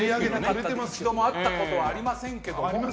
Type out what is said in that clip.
一度も会ったことはありませんけど。